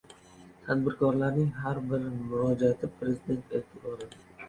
Tadbirkorlarning har bir murojaati Prezident e’tiborida